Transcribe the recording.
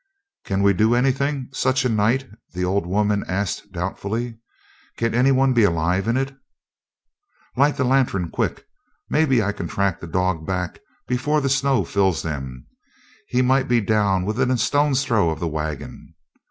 "Can we do anything such a night?" the old woman asked doubtfully. "Can anyone be alive in it?" "Light the lantern quick! Maybe I can track the dog back before the snow fills them. He might be down within a stone's throw of the wagon."